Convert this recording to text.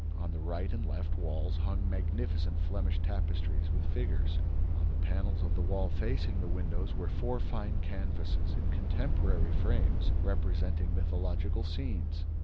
On the right and left walls hung magnificent Flemish tapestries with figures. On the panels of the wall facing the windows were four fine canvases, in contemporary frames, representing mythological scenes.